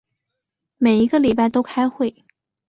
每一个礼拜都开会。